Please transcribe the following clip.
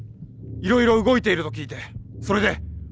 いろいろ動いていると聞いてそれで。